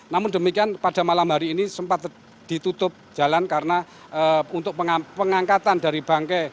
namun demikian pada malam hari ini sempat ditutup jalan karena untuk pengangkatan dari bangke